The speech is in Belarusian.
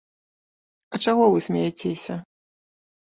А чаго вы смяецеся?